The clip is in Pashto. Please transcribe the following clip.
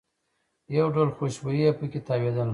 یو ډول خوشبويي په کې تاوېدله.